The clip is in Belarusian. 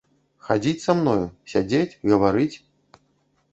Хадзіць са мною, сядзець, гаварыць?